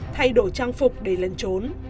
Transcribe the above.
thay đổi trang phục để lên trốn